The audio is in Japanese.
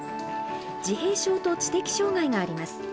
自閉症と知的障害があります。